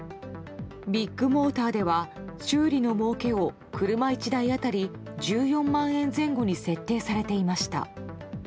ビッグモーターでは修理のもうけを車１台当たり１４万円前後に設定されていました。